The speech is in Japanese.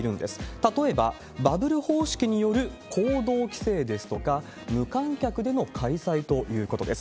例えばバブル方式による行動規制ですとか、無観客での開催ということです。